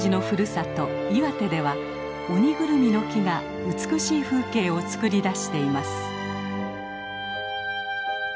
岩手ではオニグルミの木が美しい風景を作り出しています。